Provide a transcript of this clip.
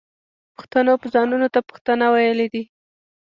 پښتنو ځانونو ته پښتانه ویلي دي.